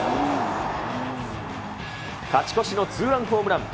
勝ち越しのツーランホームラン。